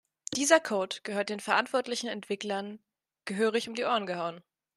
Dieser Code gehört den verantwortlichen Entwicklern gehörig um die Ohren gehauen.